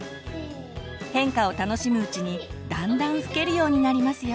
変化を楽しむうちにだんだん吹けるようになりますよ。